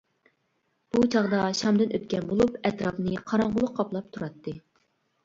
بۇ چاغدا شامدىن ئۆتكەن بولۇپ، ئەتراپنى قاراڭغۇلۇق قاپلاپ تۇراتتى.